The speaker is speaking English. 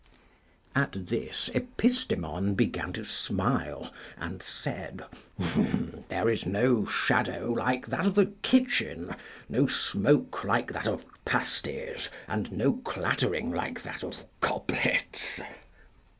At this Epistemon began to smile, and said, There is no shadow like that of the kitchen, no smoke like that of pasties, and no clattering like that of goblets.